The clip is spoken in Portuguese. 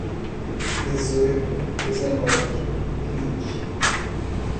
Dezoito, dezenove, vinte